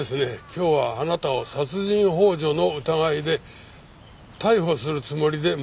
今日はあなたを殺人幇助の疑いで逮捕するつもりで参りました。